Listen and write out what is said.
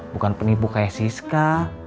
bukan penipu kayak siska